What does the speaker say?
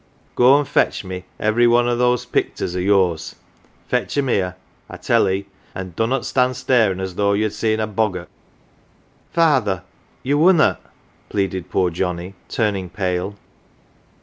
Go and fetch me every one o' those picters o' yours fetch 'em here, I tell 'ee, an 1 clunnot stan' staring as though ye'd seen a bog gwt" " Father, ye wunnot " pleaded poor Johnnie, turning pale.